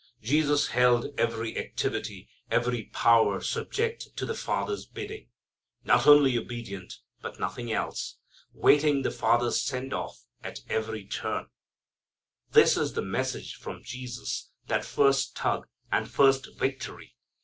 " Jesus held every activity, every power subject to the Father's bidding. Not only obedient, but nothing else. Waiting the Father's send off at every turn: this is the message from Jesus that first tug, and first victory.